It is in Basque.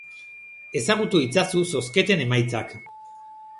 Ezagutu itzazu zozketen emaitzak.